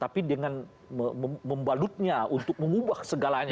tapi dengan membalutnya untuk mengubah segalanya